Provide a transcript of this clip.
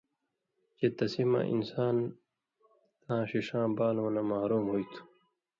چے تسی مہ انسان تاں ݜِݜاں بالؤں نہ محروم ہُوئ تُھو۔